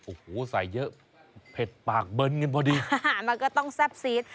โอ้โหใส่เยอะเผ็ดปากเบิร์นกันพอดีอาหารมันก็ต้องแซ่บซีด